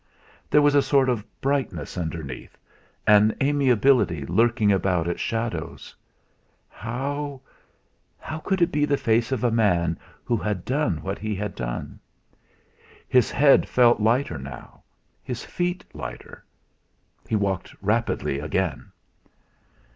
There was a sort of brightness underneath, an amiability lurking about its shadows; how how could it be the face of a man who had done what he had done? His head felt lighter now, his feet lighter; he walked rapidly again.